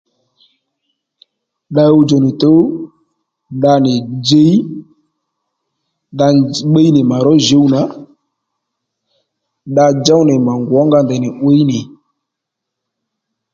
Dda huwdjò ní tùw dda nì djiy daa bbiy nì mà ró djùw nà daa djów nì mà ngwǒ-nga ndèy nì 'wǐy nì